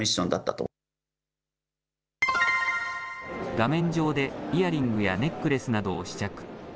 画面上でイヤリングやネックレスなどを試着。